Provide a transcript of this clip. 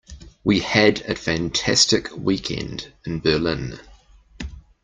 We had a fantastic weekend in Berlin.